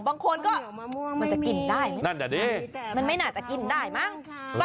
บางคนก็มันจะกินได้ไหม